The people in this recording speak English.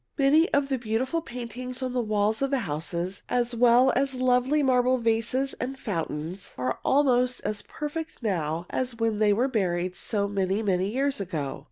Many of the beautiful paintings on the walls of the houses, as well as lovely marble vases and fountains, are almost as perfect now as when they were buried so many, many years ago.